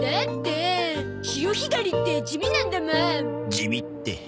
地味って。